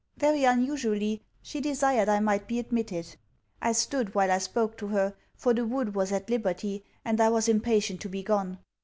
Very unusually, she desired I might be admitted. I stood while I spoke to her, for the wood was at liberty, and I was impatient to be gone.